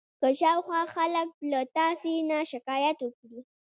که شاوخوا خلک له تاسې نه شکایت وکړي.